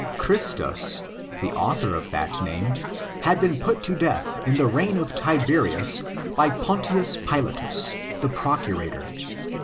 Christus, the author of that name, had been put to death in the reign of Tiberius by Pontius Pilatus, the Procurator.